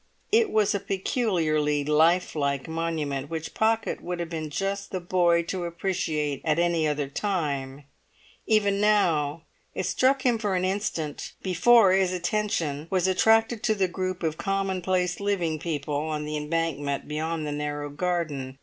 It was a peculiarly lifelike monument, which Pocket would have been just the boy to appreciate at any other time; even now it struck him for an instant, before his attention was attracted to the group of commonplace living people on the Embankment beyond the narrow garden.